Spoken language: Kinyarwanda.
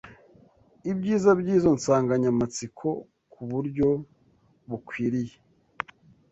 ibyiza by’izo nsanganyamatsiko ku buryo bukwiriye